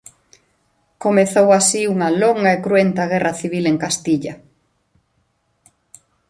Comezou así unha longa e cruenta guerra civil en Castilla.